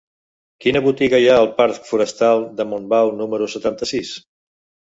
Quina botiga hi ha al parc Forestal de Montbau número setanta-sis?